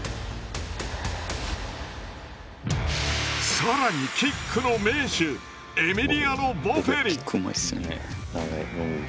更にキックの名手エミリアノ・ボフェリ。